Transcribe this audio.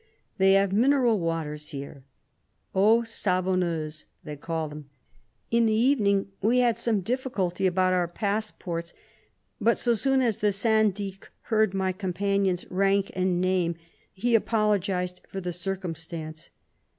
They have mineral waters here, eaux savonneuses, they call them. In the evening we had some difficulty about our passports, but so soon as the syndic heard my companion's rank and name, he apologized for the circumstance.